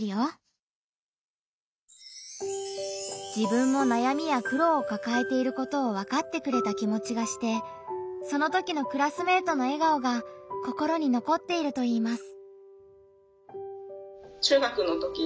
自分も悩みや苦労をかかえていることを分かってくれた気持ちがしてそのときのクラスメートの笑顔が心に残っているといいます。